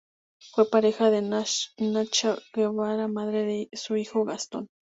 Fue pareja de Nacha Guevara, madre de su hijo Gastón.